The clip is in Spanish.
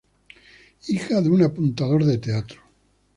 Hija de un apuntador de teatro.